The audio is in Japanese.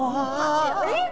えっ！